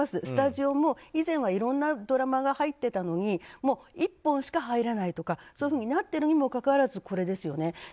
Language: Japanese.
スタジオも、以前はいろんなドラマが入ってたのに１本しか入れないというふうになっているにもかかわらずこれですよね。